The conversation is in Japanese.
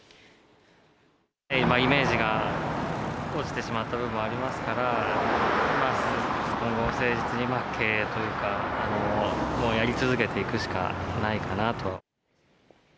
今、イメージが落ちてしまった部分がありますから、今後、誠実に経営とかやり続けていくしかないかなと。